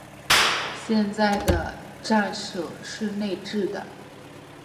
现在的站舍是内置的。